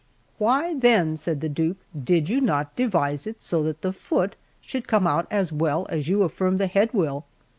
"Why, then," said the Duke, "did you not devise it so that the foot should come out as well as you affirm the head will?"